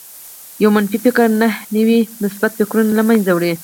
يو منفي فکر نهه نوي مثبت فکرونه لمنځه وړي